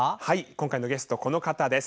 今回のゲストはこの方です。